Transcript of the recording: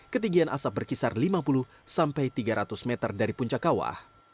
ketinggian asap berkisar lima puluh sampai tiga ratus meter dari puncak kawah